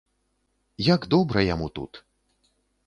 Як добра яму тут!